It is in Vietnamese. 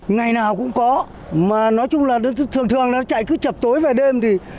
ngày nào cũng có mà nói chung là thường thường nó chạy cứ chập tối về đêm thì